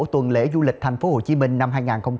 tuần lễ du lịch tp hcm năm hai nghìn hai mươi bốn